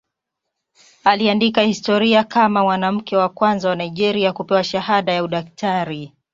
Aliandika historia kama mwanamke wa kwanza wa Nigeria kupewa shahada ya udaktari.